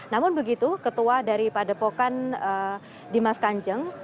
namun begitu ketua dari pada pokan dimas kanjeng